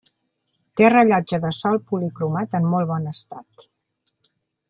Té rellotge de sol policromat en molt bon estat.